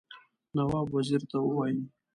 نواب وزیر ته ووايي.